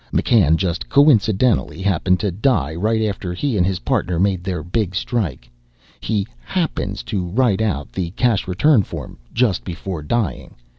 McCann just coincidentally happens to die right after he and his partner make their big strike. He happens to write out the cash return form just before dying.